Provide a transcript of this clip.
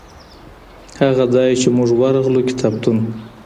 هغه ځای چي موږ ورغلو کتابتون و.